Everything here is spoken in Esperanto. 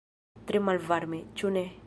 Tre malvarme, ĉu ne?